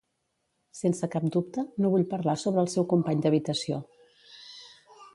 Sense cap dubte, no vull parlar sobre el seu company d'habitació.